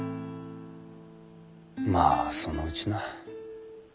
まあそのうちな。